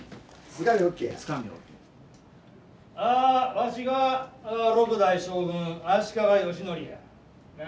わしが６代将軍足利義教や。